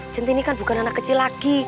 centini kan bukan anak kecil lagi